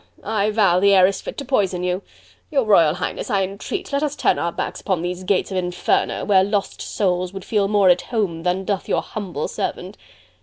I vow the air is fit to poison you! Your Royal Highness, I entreat, let us turn our backs upon these gates of Inferno, where lost souls would feel more at home than doth your humble servant."